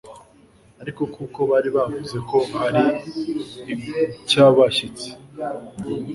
ariko kuko bari bavuze ko ari icy'abashyitsi